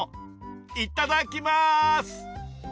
いただきます！